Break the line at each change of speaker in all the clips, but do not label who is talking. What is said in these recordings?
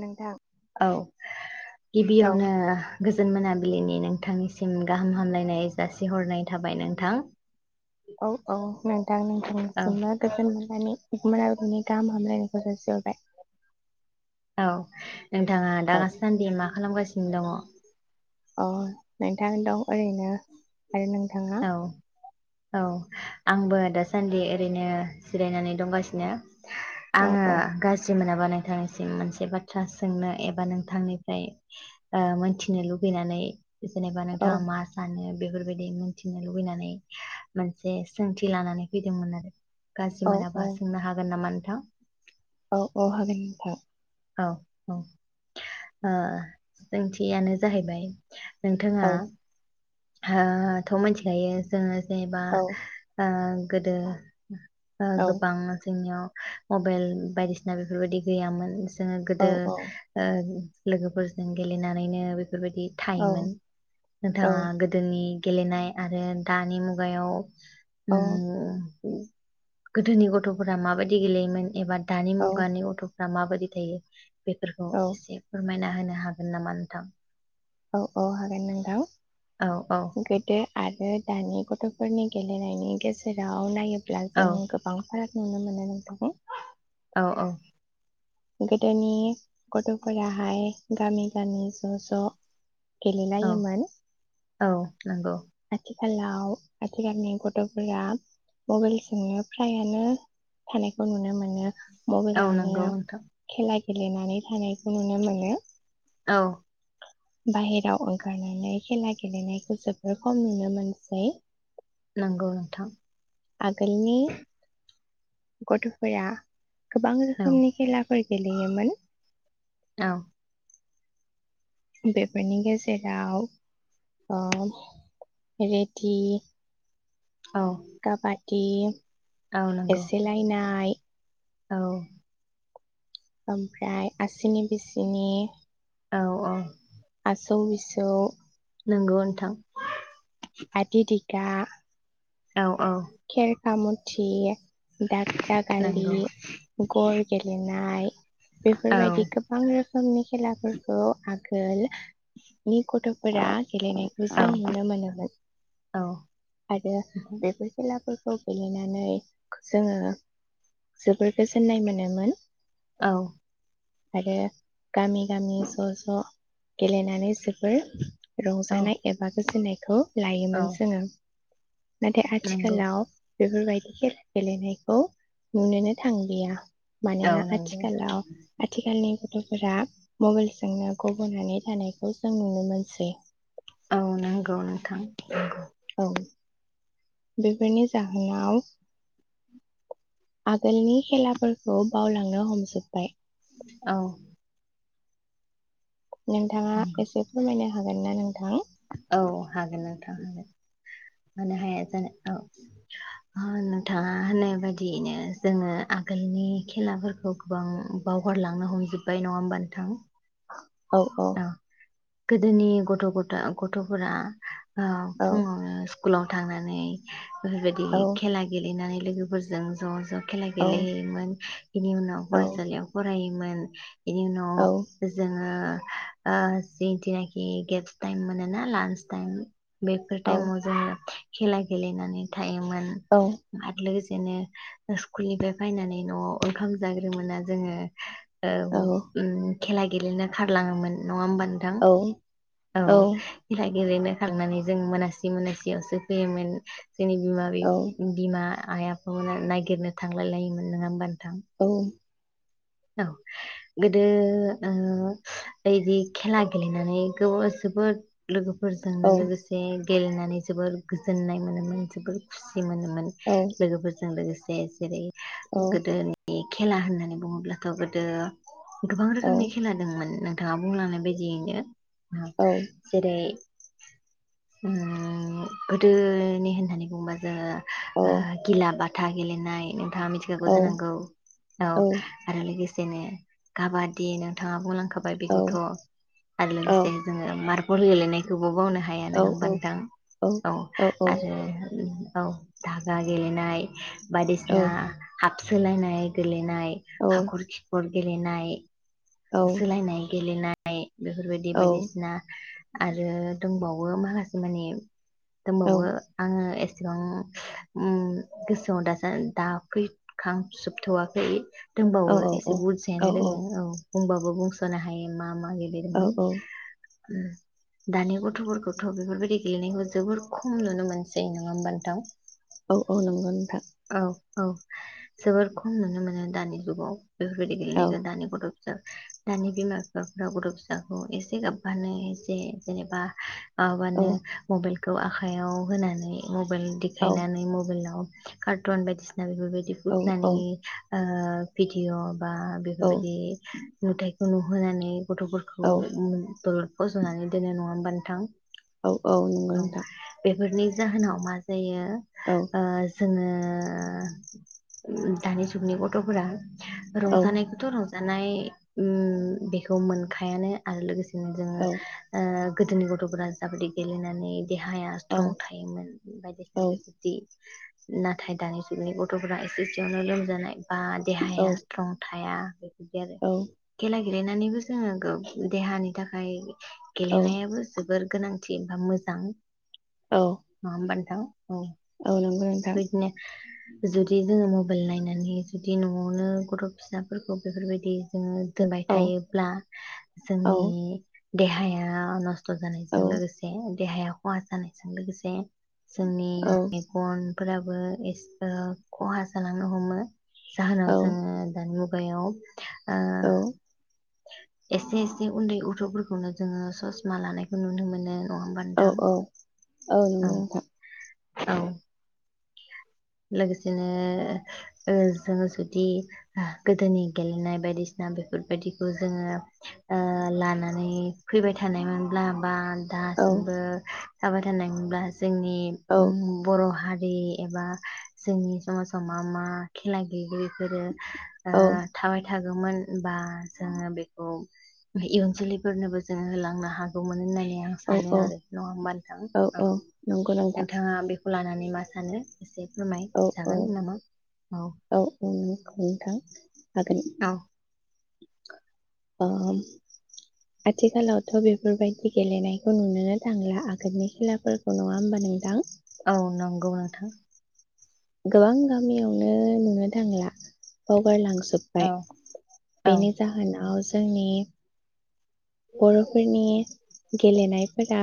नोंथां
औ
औ
गिबियावनो गो गोजोन मोनाबिलिनि नोंथांनिसिम गाहाम हामलायनाय जासिहरनाय थाबाय नोंथां।
औ औ नोंथां
औ
नोंथांनिसिमबो गोजोन मोनानि मोनाबिलिनि गाहाम हामलायनायखौ जासिहरबाय।
औ नोंथाङा दा
औ
सानदि मा खालामगासिनो दङ।
अ नै नोंथां दं ओरैनो। आरो नोंथाङा
औ औ आंबो दासान्दि ओरैनो जिरायनानै दंगासिनो।
औ
आङो
औ
गाज्रि मोनाबा नों नोंथांनिसिम मोनसे बाथ्रा सोंनो एबा नोंथांनिफ्राय ओ मोनथिनो लुगैनानै जेनेबा
औ
नोंथाङा मा सानो? बेफोरबायदि मुन मिथिनो लुबैनानै मोनसे सोंथि लानानै फैदोंमोन आरो गाज्रि
औ
मोनाबा
औ
सोंनो हागोन नामा थां
औ औ हागोन नोंथां।
औ औ ओ सोंथियानो जाहैबाय नोंथाङा
औ
हा थ' मिथिखायो जोङो जेनेबा
औ
ओ गोदो ओ
औ
गोबां जोंनियाव मबाइल बायदिसिना बेफोरबायदि गैयामोन जोङो
औ
गोदो
औ
ओ लोगोफोरजों गेलेनानैनो बे बेफोरबायदि
औ
थायोमोन
औ
नोंथाङा नि गेलेनाय आरो दानि मुगायाव उम गोदोनि गथ'फोरा माबायदि गेलेयोमोन एबा दानि
औ
मुगानि गथ' फोरा मा बायदि थायो? बेफोरखौ एसे फोरमायना होनो नो हागोन नामा नोंथां?
औ औ हागोन नोंथां।
औ औ
गोदो आरो दानि गथ'फोरनि गेलेनायनि गेजेराव नायो ब्ला
औ
जों गोबां फाराग नुनो मोनो नोंथां
अ अ
गोदोनि गथ'फोराहाय गामि गामि ज' ज'
औ
गेलेलायोमोन
औ नंगौ
आथिखालाव आथिखालनि गथ'फोरा मबाइलजोंनो फ्रायआनो थानायखौ नुनो मोनो।
औ नोंगौ
मबाइलावनो
नोंथां
खेला गेलेनानै थानायखौ नुनो मोनो
औ
बाहेराव ओंखारनानै खेला गेलेनायखौ जोबोर खम नुनो मोनसै।
नोंगौ नोंथां
आगोलनि गथ'फोरा गोबां
औ
रोखोमनि खेलाफोर गे लेयोमोन
औ
बेफोरनि गेजेराव ओ रेडि
औ
काबा
औ
[unintelligible]
नंगौ
एसेलायनाय
औ।
ओमफ्राय आसिनि बिसिनि
औ औ
सौ मिसौ
नोंगौ नोंथां।
आदि दि ग्ला
औ औ।
खेर खामुथि दा दागालि
नंगौ
गर गेलेनाय
औ
बेफोरबायदि गोबां रोखोमनि खेलाफोरखौ आ गोल नि गथ'फोरा गेलेनायखौ
औ
जों नुनो मोनोमोन
औ
आरो बेफोर फोरखौ गेलेनानै जोङो जोबोर गोजोननाय मोनोमोन।
औ।
आरो गामि गामि ज' ज' गेलेनानै जोबोर
औ
रंजानाय एबा गोजोननाय थ'
औ
लायोमोन जोङो। नाथाय आथि
नंगौ
सोलाव बेफोरबायदि खेला गेलेनायखौ नुनोनो थांलिया।
औ
मानोना
नंगौ
आथिखालाव आथिखालनि गथ' फोरा मबाइलजोंनो गब'नानै थानायखौ जों नुनो मोनसै।
औ नंगौ नोंथां नंगौ।
औ बेफोरनि जाहोनाव आगोलनि खेलाफोरखौ बावलांनो हमजोब्बाय।
औ।
नोंथाङा
नंगौ
एसे फोरमायनो हागोन ना नोंथां?
औ हागोन नोंथां होगोन मानो हाया जानो औ नोंथाङा होननाय बायदियैनो जोङो आगोलनि खेलाफोरखौ गोबां बावगारलांनो हमजोबबाय नङा होमबा नोंथां।
औ औ।
गोदोनि गथ' गथा गथ'फोरा ओ‌
औ
फुङावनो स्कुलाव थांनानै बेफोरबायदि
औ
खेला गेलेनानै लोगोफोरजों ज' ज' खेला
औ
गेलेहैयोमोन बिनि उनाव फरायसालियाव फरायो मोन बिनि उनाव
औ
जों ओ ओ जिथिनाखि गेब्स टाइम मोन ना लान्स टाइम बैफोर
औ
टाइमाव जोंङो खेला गेलेनानै थाइ मोन
औ
आरो लोगोसे बिदिनो स्कुल निफ्राय फैनानै न'आव ओंखाम जाग्रो मोना जोङो औ उम खेला गेलेनो खारलाङोमोन। नङा होनबा नोंथां औ गेलेबोखांनानै जों मोनासि मोनासियावसो फैयोमोन। जोंनि बिमा बि बिमा आइ आफामोना नायगिरनो थांलाय लायोमोन नङा होमबा नों
औ
औ गोदो ओ दि खेला यैदि खेला गेलेनानै गोबाव जोबोद लोगोफोरजोंनो
औ
लोगोसे गेलेनानै जोबोर गोजोननाय मोनोमोन जोबोर खुसि मोनोमोन लोगोफोरजों लोगोसे दे जेरै गोदोनि खेला होननानै बुङोब्ला थ' गोदो गोबां
औ
रोखोमनि खेला दोंमोन नों नोंथाङा बुंलांनाय बायदियैनो औ जेरै उम गोदोनि होननानै बुंङोबा जोङो आ
औ
गिला बाथ था गेलेनाय नोंथाङा मिथिखागौ
औ
जानांगौ औ लोगोसेनो काबादि नोंथाङा बुंलां खाबाय बेखौथ' आरो लोगोसे जोङो मार गर गेलेनायखौ बो बावनो हाया नंङा होमबा नोंथां औ आरो औ धागा गेलेनाय बायदिसिना हा सोलायनाय गेलेनाय। हाखर खिपर। गेलेनाय। सोलायनाय गेलेनाय [unintelligible] बेफोरबायदि बायदिसिना आरो दंबा बो माखासे माने दंबावो आंङो [unintelligible] [unintelligible] ओम गोसोआव दासो दा फैखांजोबथ'वाखै। दंबावो एसे बुरजायानो दोङो औ बुंबाबो बुंस सनो हायै मा मा। [unintelligible] उम दानि गथ'फोरखौथ' बेफोरबायदि गेलेनायखौ जोबोर खम नुनो मोनसै नङा होमबा नोंथां?
औ औ नंगौ नोंथा।
औ औ जोबोर खम नुनो मोनो दानि [unintelligible] बेफोरबायदि गेलेनायखौ दानि गथ' दानि बिमा बिफाफ्रा गथ' फिसाखौ एसे गाबबानो एसे जेनेबा गाबबानो मबाइल खौ आखाइयाव होनानै। मबाइल देखायनानै मबाइलाव। कारटुन बायदिसि दा बेफोरबायदि गुथ्लानि ओ भिडिय। बा बेफोरबायदि नुथाय नुहोनानै। गथ'फोरखौ दलद फजनानै दोनो नङा होमबा नों थां।
औ औ नंगौ नोंथां।
बेफोरनि जाहोनाव मा जायो। आ ओ जोङो दानि जुगनि गथफोरा। रंजानायखौथ रं जानाय ओम बेखौ मोनखायानो आरो लोगोसे। नोजो ओ गोदोनि गथ'फोरा जाबादि गेलेनानै। देहाया स्ट्रं थायोमोन बायदिसिना बेफोरदि। नाथाय दानि जुगनि गथ'फोरा एसे एसेयावनो लोमजानाय बा देहाया स्ट्रं थाया। [unintelligible] केला गेलेनानैबो जोङो देहानि थाखाय, गेलेनायाबो जोबोर गोनां। [unintelligible] मोजां हाबान थां औ हैनो जुदि जोङो मबाइल नायनानै जु बिदि न'आवनो गथ' फिसाफोरखौ बेफोरबायदि जोङो। दोनबाय थायोब्ला जोंनि। बेहाया नस खस्थ जानायजों लोगोसे। देहाया खहा जानायजों लोगोसे। जोंनि मेगन फोराबो एसे खहा जालांनो हमो। जाहोनाव जोङो दानि मुग खुगायाव आ एसे एसे उन्दै गथ'फोरखौनो जोङो ससमा लानायखौ नुनो मोनो। नङा होमबा
औ
नोंथां
औ औ नंगौ नोंथां।
औ लोगोसेनो ओ जोङो जुदि गोदोनि गेलेनाय बायदिसिना बेफोरबायदि। जोङो ओ लानानै फैबाय थानायमोनब्ला बाल, दासिमबो थाबाय थानायमोनब्ला जोंनि बर' हारि बे एबा जोंनि समाजाव मा मा खेला गैयै इफोरो। ओ थाबाय थाग मोनगौमोन बा, जोङो बेखौ इयुन जोलैफोरनोबो जोङो होलांनो हागौमोन होननानै होननानै आं सानो आरो नङा होमबा नोंथां।
नंगौ नोंथां
नोंथाङा बे खौ लानानै मा सानो एसे
औ
फोरमायजागोन नामा औ।
हागोन नोंथां। हागोन।
औ
ओ ओम आथिखालावथ' बेफोरबायदि गेलेनायखौ नुनोनो थांला आगोलनि खेलाफोरखौ नङा होमबा नोंथां।
औ नंगौ नोंथां।
गोबां गामियावनो नुनो थांला बावगारलां जोबबाय
औ औ
बेनि जाहोनाव जोंनि बर'फोरनि गेलेनायफोरा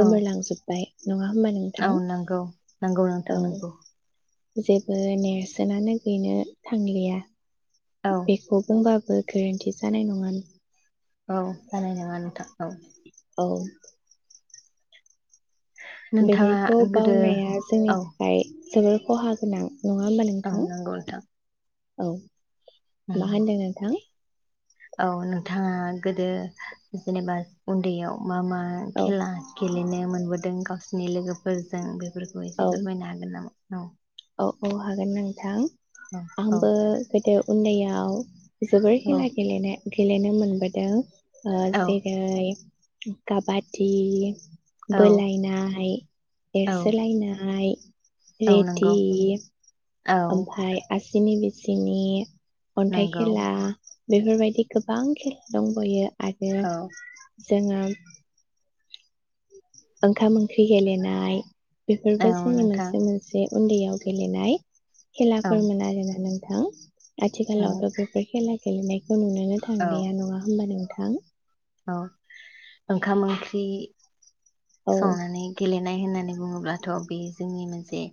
औ
गोमोरलांजोब्बाय। नङा होमबा नोंथां।
नोंगौ नोंथां
औ
नोंगौ।
जेबो नेरसोनानो गैनो थांलिया।
औ
बेखौ बुंबा बो गोरोन्थि जानाय नङा
औ जानाय नङा नोंथां औ।
औ
नोंथाङा
बेफोरखौ
गोदो
बावनाया जोंनि
औ
थाखाय जोबोर खहा गोनां। नङा होमबा
औ
नोंथां।
नंगौ नोंथां
औ। मा होनदो नोंथां।
औ नोंथाङा गोदो जेनेबा उन्दैयाव मा मा
औ
खेला गेलेनो मोनबोदों गावसिनि लोगोफोरजों बेफोरखौ
औ
एसे फोरमायनो हागोन नामा। औ।
औ औ हागोन नों थां
औ
आंबो गोदो उन्दैयाव जोबोर
औ
खेला गेलेनाय गेलेनो मोनबोदों ओ जेरै काबादि
औ
बोलायनाय
औ
एरसोलायनाय
औ
रित
नंगौ
दिप
औ
ओमफाय आसि सिनि बिसिनि अन्थाइ
नंगौ
खेला बेफोरबायदि गोबां खेला दंबयो आरो
औ
जोङो ओंखाम ओंख्रि गेलेनाय बेफोरबो जोंनि
नोंथां
मोनसे मोनसे उन्दैयाव गेलेनाय
औ
खेलाफोरमोन आरोना नों हा
औ
आथिखालाव थ बेफोर खेला गेलेनाय नुनोनो
औ
थांलिया नङा होमबा नोंथां ओं
औ ओंखाम ओंख्रि
औ
संनानै गेलनाय होननानै बुङोब्लाथ बे जोंनि मोनसे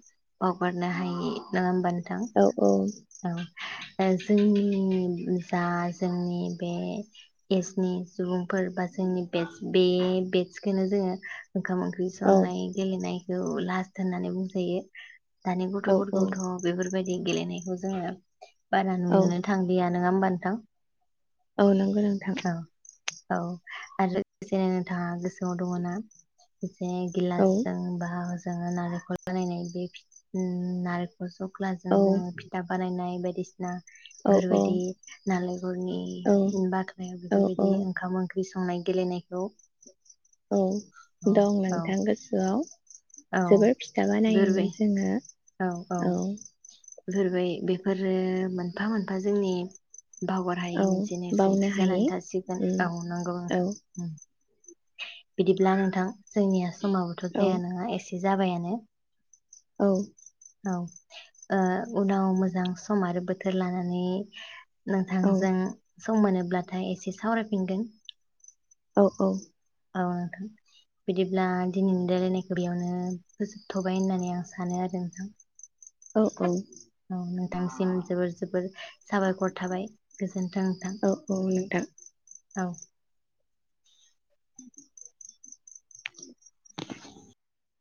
बावगारनो हायि नङा होनबा
औ औ
औ जोंनि जा जोंनि बे एसनि सुबुंफोर बा जोंनि बेटस बे बेटसखोनो जोङो ओंखाम ओंख्रि
औ
संनाय गेलेनाय औ लास्त होननानै बुंजायो दानि
औ
गथफोरखौथ बेफोरबायदि गेलेनाय [unintelligible] बारा
औ
नुनोनो थांलिया नङा होमबानो [unintelligible]
औ नंगौ नोंथां
औ आरो लोगोसे नोंथाङा गोसोआव दङ ना से
औ
गिलासजों [unintelligible] जोङो नारेंखल बानायनाय बे फिथ अर सख्लाजों
औ
जोङो। बानायनाय बायदिसि
औ
बेफोरबायदि नालेंखरनि बाख्लानायाव
औ औ
बेफोरबायदि ओंखाम ओंख्रि संना संनाय गेलेनायखौ
औ
औ
दं
औ
नोंथां गोसोआव
औ
जोबोर फिथा बानायोमोन
बेफोरबाय
जोङो
औ औ बेफोरबाय बेफोरो मोनफा मोनफा जोंनि बावगार हायै
औ
मोनसे
बावनो
नेरसोनथि
हायै
जानानै थासिगोन
उम
औ नंगौ
औ
नोंथां बिदिब्ला नोंथां जोंनिया समाबोथ'
औ
जाया नङा एसे जाबायानो
औ
औ ओ उनाव मोजां सम आरो बोथोर लानानै
औ
नोंथांजों सम‌ मोनोब्लाथाय इसे सावरायफिनगोन
औ औ
औ नोंथां बिदिब्ला दिनैनि रायलायनायखौ बेयावनो फोजोबथ'बाय होननानै आं सानो आरो नोंथां
औ औ
औ नोंथांसिम जोबोर जोबोर साबायखर थाबाय गोजोन्थों नोंथां
औ नोंथां।
औ